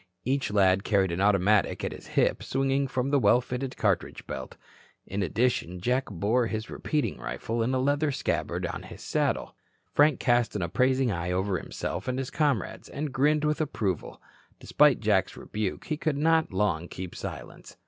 Each lad carried an automatic at his hip swinging from a well filled cartridge belt. In addition, Jack bore his repeating rifle in a leather scabbard on his saddle. Frank cast an appraising eye over himself and his comrades, and grinned with approval. Despite Jack's rebuke, he could not long keep silence.